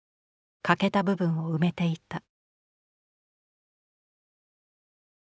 欠けた部分を埋めていた。